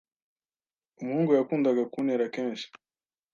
Umuhungu yakundaga kuntera kenshi.